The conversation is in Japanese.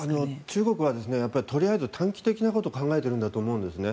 中国はとりあえず短期的なことを考えているんだと思うんですね。